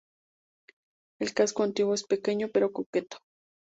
El casco antiguo es pequeño pero coqueto.